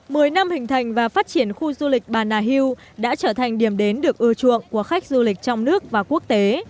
mười năm hình thành và phát triển khu du lịch bà nà hill đã trở thành điểm đến được ưa chuộng của khách du lịch trong nước và quốc tế